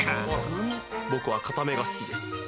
僕はかためが好きです。